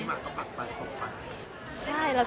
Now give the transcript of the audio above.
มีมากก็บังไปตรงฝั่ง